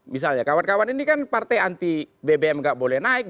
misalnya kawan kawan ini kan partai anti bbm nggak boleh naik